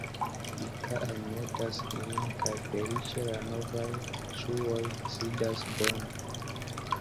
Rika almetas ilin kaj feliĉe la novaj ŝuoj sidas bone.